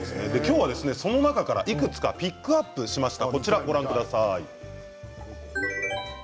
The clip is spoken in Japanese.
その中からいくつかピックアップしました。